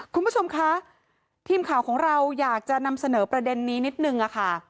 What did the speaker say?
คุณผู้ชมคะทีมข่าวของเราอยากจะนำเสนอประเด็นนี้นิดนึงค่ะ